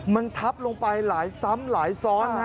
มันทับลงไปหลายซ้ำหลายซ้อน